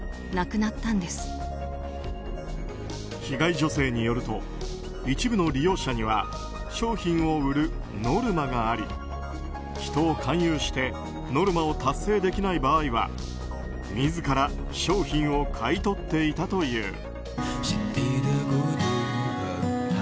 被害女性によると一部の利用者には商品を売るノルマがあり人を勧誘してノルマを達成できない場合は自ら商品を買い取っていたという。